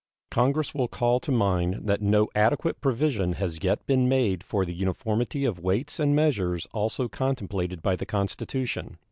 Congress will call to mind that no adequate provision has yet been made for the uniformity of weights and measures also contemplated by the Constitution.